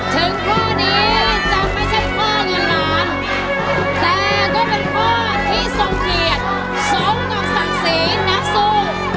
ถึงข้อนี้จะไม่ใช่ข้อเงินล้านแต่ก็เป็นข้อที่ทรงเกียรติสมกับศักดิ์ศรีนักสู้